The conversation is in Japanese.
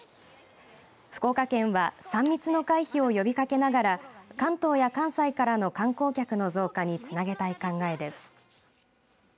福岡県は３密の回避を呼びかけながら関東や関西からの観光客の増加につなげたい考えです。